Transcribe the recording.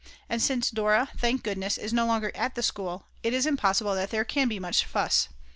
And since Dora, thank goodness, is no longer at the school, it is impossible that there can be much fuss.